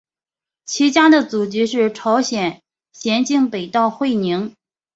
其家的祖籍是朝鲜咸镜北道会宁。